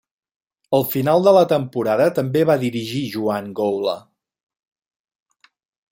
Al final de la temporada també va dirigir Joan Goula.